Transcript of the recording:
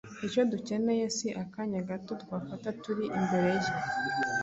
Icyo dukeneye si akanya gato twafata turi imbere ye,